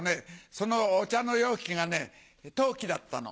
そのお茶の容器が陶器だったの。